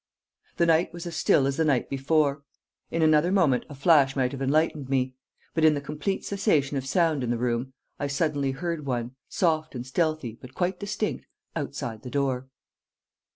The night was as still as the night before. In another moment a flash might have enlightened me. But, in the complete cessation of sound in the room, I suddenly heard one, soft and stealthy but quite distinct, outside the door.